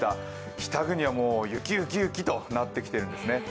北国はもう、雪、雪、雪となってきてるんですね。